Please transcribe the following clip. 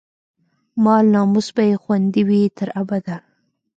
مال، ناموس به يې خوندي وي، تر ابده